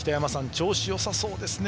調子よさそうですね